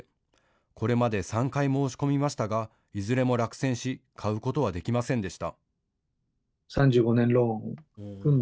これまで３回申し込みましたがいずれも落選し買うことはできませんでした。